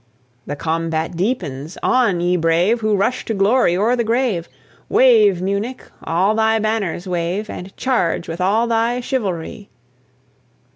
The combat deepens. On, ye brave Who rush to glory or the grave! Wave, Munich! all thy banners wave, And charge with all thy chivalry!